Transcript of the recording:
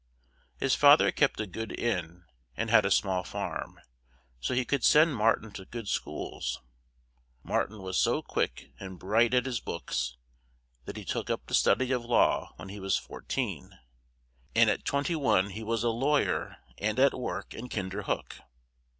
His fa ther kept a good inn, and had a small farm; so he could send Mar tin to good schools; Mar tin was so quick and bright at his books that he took up the study of law when he was four teen; and at twen ty one he was a law yer and at work in Kin der hook.